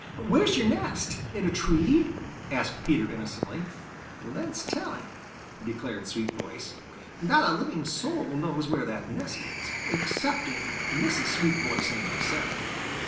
"Where is your nest; in a tree?" asked Peter innocently. "That's telling," declared Sweetvoice. "Not a living soul knows where that nest is, excepting Mrs. Sweetvoice and myself.